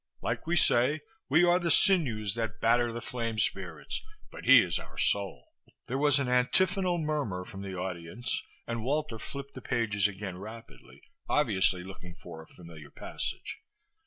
Like we say, we are the sinews that batter the flame spirits but he is our soul." There was an antiphonal murmur from the audience and Walter flipped the pages again rapidly, obviously looking for a familiar passage.